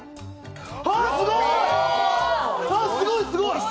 あ、すごい、すごい！